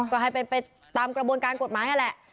ก็ให้เป็นไปตามกระบวนการกฎหมายนั่นแหละ